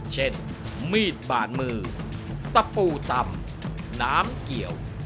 เช่นมีดบานมือตะปูตำน้ำเกี่ยว